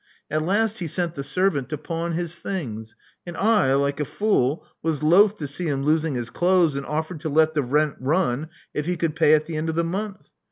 At last he sent the servant to pawn his things; and I, like a fool, was loth to see him losing his clothes, and offered to let the rent run if he could pay at the end of the month.